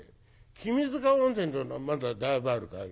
君塚温泉っていうのはまだだいぶあるかい？